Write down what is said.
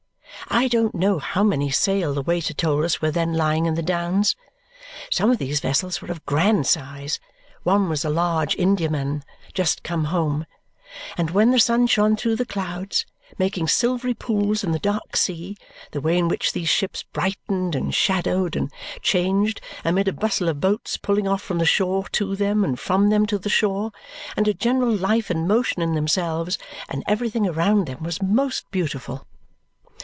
I don't know how many sail the waiter told us were then lying in the downs. Some of these vessels were of grand size one was a large Indiaman just come home; and when the sun shone through the clouds, making silvery pools in the dark sea, the way in which these ships brightened, and shadowed, and changed, amid a bustle of boats pulling off from the shore to them and from them to the shore, and a general life and motion in themselves and everything around them, was most beautiful.